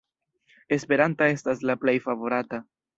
Esperanta estas la plej favorata.